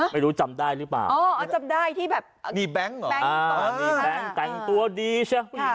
ห้ะอ๋อจำได้ที่แบบแบงค์ตัวดีใช่ไหม